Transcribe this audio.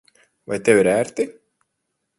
Vai tev ir ērti?